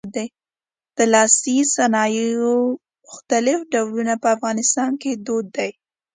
د لاسي صنایعو مختلف ډولونه په افغانستان کې دود دي.